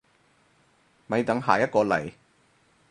咪等下一個嚟